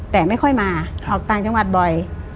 แต่ไม่ค่อยมาออกต่างจังหวัดบ่อย